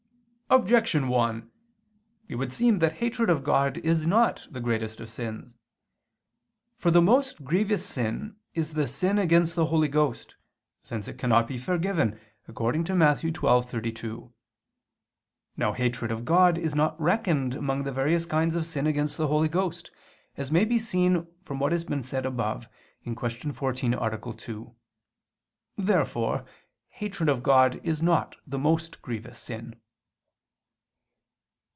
Objection 1: It would seem that hatred of God is not the greatest of sins. For the most grievous sin is the sin against the Holy Ghost, since it cannot be forgiven, according to Matt. 12:32. Now hatred of God is not reckoned among the various kinds of sin against the Holy Ghost, as may be seen from what has been said above (Q. 14, A. 2). Therefore hatred of God is not the most grievous sin.